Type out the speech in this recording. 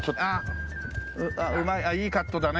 いいカットだね